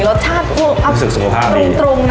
ก็รสชาติตรง